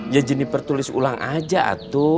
ya jeniper tulis ulang aja atu